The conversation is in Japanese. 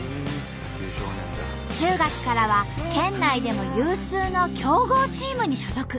中学からは県内でも有数の強豪チームに所属。